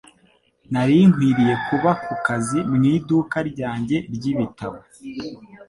Nari nkwiriye kuba ku kazi mu iduka ryanjye ry'ibitabo